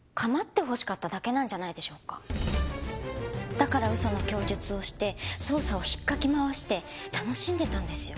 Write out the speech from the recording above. だから嘘の供述をして捜査を引っかき回して楽しんでたんですよ。